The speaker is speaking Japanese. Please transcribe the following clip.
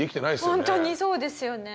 ホントにそうですよね。